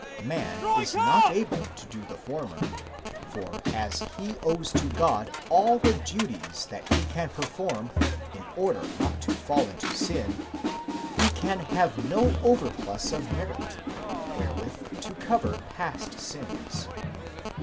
Man is not able to do the former; for as he owes to God all the duties that he can perform, in order not to fall into sin, he can have no overplus of merit, where with to cover past sins.